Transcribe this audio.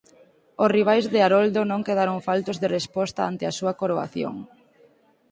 Os rivais de Haroldo non quedaron faltos de resposta ante a súa coroación.